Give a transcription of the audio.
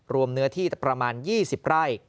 เนื้อที่ประมาณ๒๐ไร่